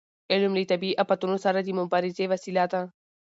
علم له طبیعي افتونو سره د مبارزې وسیله ده.